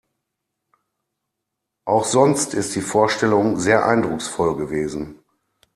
Auch sonst ist die Vorstellung sehr eindrucksvoll gewesen.